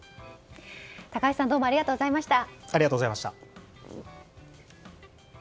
高橋さんどうもありがとうございました。